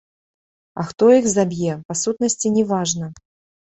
А хто іх заб'е, па сутнасці, не важна.